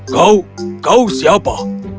kau kau siapa